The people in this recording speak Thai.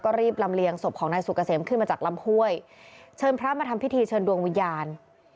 ก็รีบลำเลียงศพของนายสุกเกษมขึ้นมาจากลำห้วยเชิญพระมาทำพิธีเชิญดวงวิญญาณ